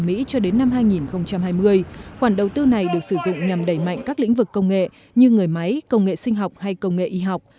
mỹ cho đến năm hai nghìn hai mươi khoản đầu tư này được sử dụng nhằm đẩy mạnh các lĩnh vực công nghệ như người máy công nghệ sinh học hay công nghệ y học